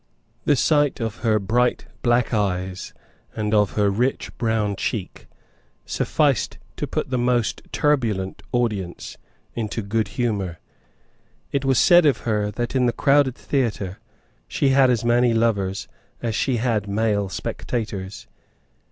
The sight of her bright black eyes and of her rich brown cheek sufficed to put the most turbulent audience into good humour. It was said of her that in the crowded theatre she had as many lovers as she had male spectators.